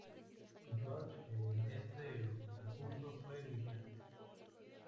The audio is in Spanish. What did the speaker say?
Su coach en este concurso fue Mika.